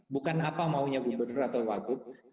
bukan apa maunya gubernur atau wagub